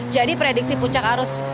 jadi prediksi puncak arus mudik